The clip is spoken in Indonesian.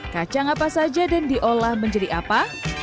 kacang apa saja dan diolah menjadi apa